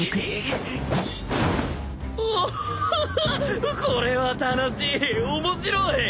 おっほほこれは楽しい面白い！